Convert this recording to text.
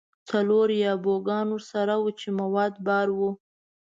څلور یا بوګان ورسره وو چې مواد بار وو.